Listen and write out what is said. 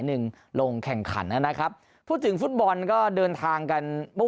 ลงแข่งขันนะครับพูดถึงฟุตบอลก็เดินทางกันปุ้